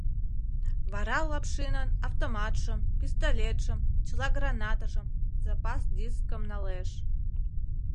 Вара Лапшинын автоматшым, пистолетшым, чыла гранатыжым, запас дискым налеш.